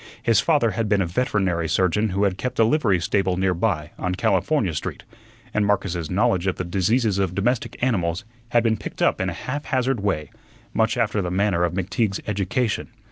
His father had been a veterinary surgeon who had kept a livery stable near by, on California Street, and Marcus's knowledge of the diseases of domestic animals had been picked up in a haphazard way, much after the manner of McTeague's education.